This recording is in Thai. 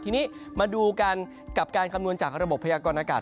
ทีนี้มาดูกันกับการคำนวณจากระบบพยากรณากาศ